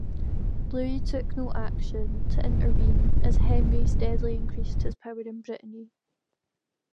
Louis took no action to intervene as Henry steadily increased his power in Brittany.